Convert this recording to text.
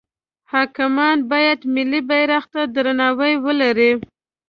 حاکمان باید ملی بیرغ ته درناوی ولری.